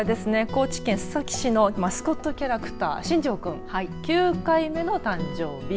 高知県須崎市のマスコットキャラクターしんじょう君９回目の誕生日。